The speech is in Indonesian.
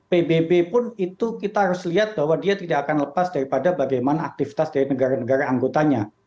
pbb pun itu kita harus lihat bahwa dia tidak akan lepas daripada bagaimana aktivitas dari negara negara anggotanya